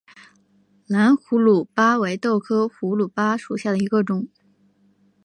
蓝胡卢巴为豆科胡卢巴属下的一个种。